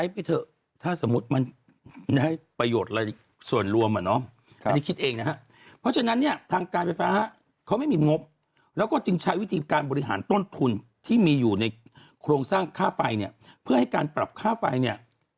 แล้ววันนี้สิ่งหนึ่งที่บอกว่าเดือนการยายนเนี่ย